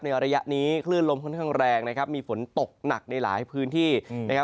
ระยะนี้คลื่นลมค่อนข้างแรงนะครับมีฝนตกหนักในหลายพื้นที่นะครับ